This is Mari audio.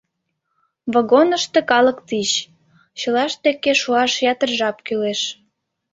Вагонышто калык тич, чылашт деке шуаш ятыр жап кӱлеш.